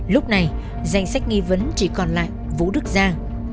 lúc này danh sách nghi vấn chỉ còn lại vũ đức giang